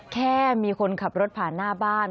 แค่มีคนขับรถผ่านหน้าบ้าน